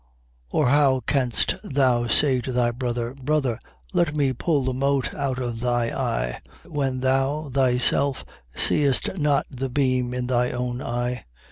6:42. Or how canst thou say to thy brother: Brother, let me pull the mote out of thy eye, when thou thyself seest not the beam in thy own eye?